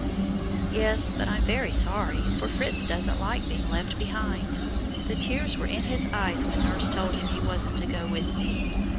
"Yes, but I'm very sorry, for Fritz doesn't like being left behind; the tears were in his eyes when nurse told him he wasn't to go with me.